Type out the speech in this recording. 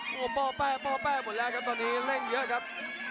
โอ้โหป้อแป้ป้อแป้หมดแล้วครับตอนนี้เร่งเยอะครับ